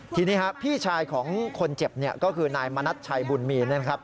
ทีนี้พี่ชายของคนเจ็บก็คือนายมณัชชัยบุญมีน